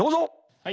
はい。